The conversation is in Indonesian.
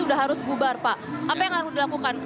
sudah harus bubar pak apa yang harus dilakukan